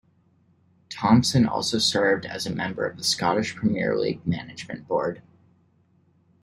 Thompson also served as a member of the Scottish Premier League management board.